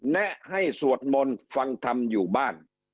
แนะให้สวดมนต์ฟังธรรมอยู่บ้าน